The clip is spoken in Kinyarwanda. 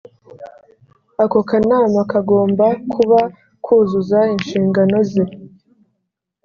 ako kanama kagomba kuba kuzuza inshingano ze